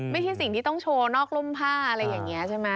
ไม่ใช่สิ่งที่ต้องโชว์นอกร่มผ้าอะไรอย่างนี้ใช่ไหม